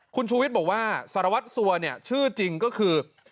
คุณชูวิทย์บอกว่าสารวัตรสัวเนี่ยชื่อจริงก็คือ